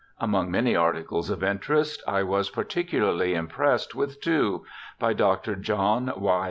Among many articles of interest, I was particularly impressed with two by Dr. John Y.